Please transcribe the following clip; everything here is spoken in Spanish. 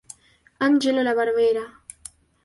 Angelo La Barbera